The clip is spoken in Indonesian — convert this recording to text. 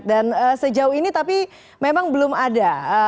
dan sejauh ini tapi memang belum ada